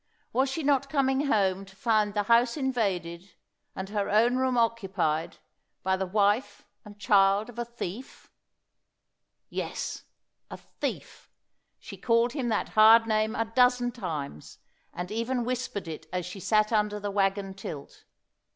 Was she not coming home to find the house invaded, and her own room occupied, by the wife and child of a thief? Yes, a thief. She called him that hard name a dozen times, and even whispered it as she sat under the wagon tilt.